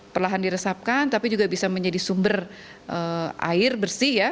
perlahan diresapkan tapi juga bisa menjadi sumber air bersih ya